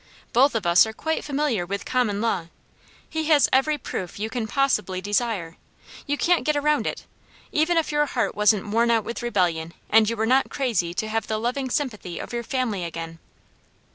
Both of us are quite familiar with common law. He has every proof you can possibly desire. You can't get around it, even if your heart wasn't worn out with rebellion, and you were not crazy to have the loving sympathy of your family again."